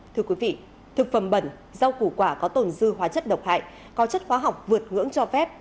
thưa quý vị thực phẩm bẩn rau củ quả có tồn dư hóa chất độc hại có chất hóa học vượt ngưỡng cho phép